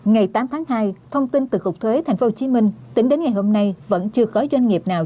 ngày tám tháng hai thông tin từ cục thuế tp hcm tính đến ngày hôm nay vẫn chưa có doanh nghiệp nào